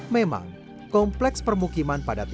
memang kompleks permukiman pada tenaga